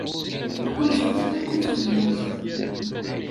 Mḥu lbaṭel akk i xedmeɣ.